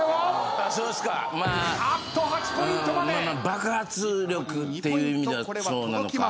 爆発力っていう意味ではそうなのか。